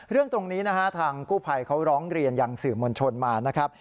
เรื่องตรงนี้ทางกู้ภัยเขาร้องเรียนอย่างสื่อมณชนมานะครับ